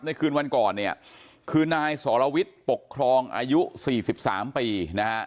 คืนวันก่อนเนี่ยคือนายสรวิทย์ปกครองอายุ๔๓ปีนะฮะ